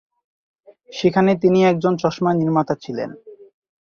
সেখানে তিনি একজন চশমা নির্মাতা ছিলেন।